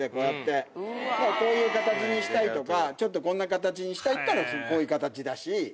こういう形にしたいとかちょっとこんな形にしたいっていったらこういう形だし。